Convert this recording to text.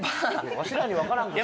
わしらにわからんからな。